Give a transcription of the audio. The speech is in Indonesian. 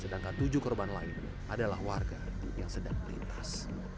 sedangkan tujuh korban lain adalah warga yang sedang melintas